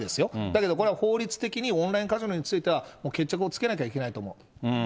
だけどこれは法律的にオンラインカジノについては決着をつけなきゃいけないと思う。